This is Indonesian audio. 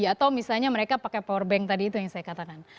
atau misalnya mereka pakai powerbank tadi itu yang saya katakan